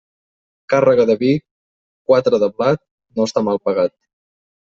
Càrrega de vi, quatre de blat, no està mal pagat.